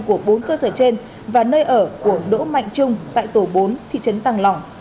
của bốn cơ sở trên và nơi ở của đỗ mạnh trung tại tổ bốn thị trấn tàng lỏng